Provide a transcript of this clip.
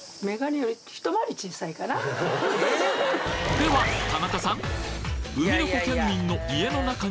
では田中さん！